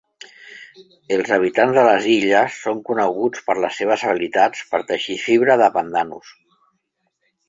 Els habitants de les illes són coneguts per les seves habilitats per teixir fibra de pandanus.